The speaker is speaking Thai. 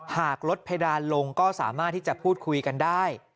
หากลดเพดานลงก็สามารถที่จะพูดคุยกันได้